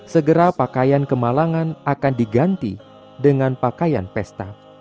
segera pakaian kemalangan akan diganti dengan pakaian pesta